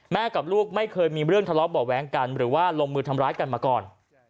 กับลูกไม่เคยมีเรื่องทะเลาะเบาะแว้งกันหรือว่าลงมือทำร้ายกันมาก่อน